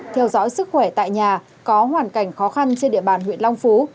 theo dõi sức khỏe tại nhà có hoàn cảnh khó khăn trên địa bàn huyện long phú